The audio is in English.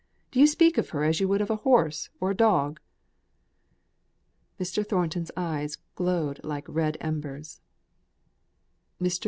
Do you speak of her as you would of a horse or a dog?" Mr. Thornton's eyes glowed like red embers. "Mr.